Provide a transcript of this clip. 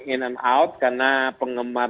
en and out karena penggemar